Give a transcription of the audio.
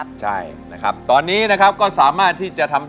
แทบจะไม่เคยฟังเลยครับแทบจะไม่เคยฟังเลยครับแทบจะไม่เคยฟังเลยครับ